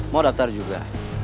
mau daftar juga